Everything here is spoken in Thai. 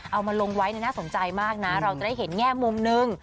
เอามาลงไว้น่าสนใจมากนะเราจะได้เห็นแง่มุมนึง